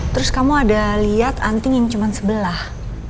terus kamu ada liat anting yang cuman sebelah